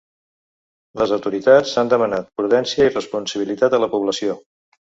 Les autoritats han demanat prudència i responsabilitat a la població.